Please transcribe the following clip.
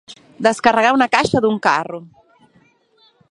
Descarregar una caixa d'un carro.